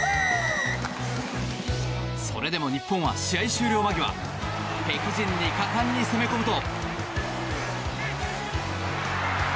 それでも日本は試合終了間際敵陣に果敢に攻め込むと。